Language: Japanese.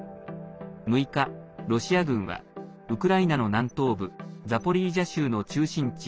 ６日、ロシア軍はウクライナの南東部ザポリージャ州の中心地